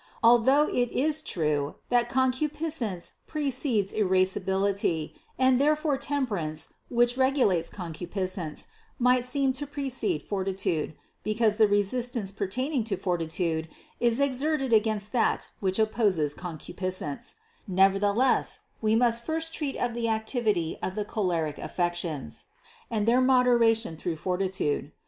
Although it is true that concupiscence precedes irascibility, and therefore temperance which regulates concupiscence, might seem to precede fortitude, because the resistance pertaining to for titude is exerted against that which opposes concupis cence; nevertheless we must first treat of the activity of the choleric affections and their moderation through forti tude.